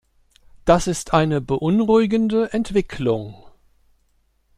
Das ist eine beunruhigende Entwicklung.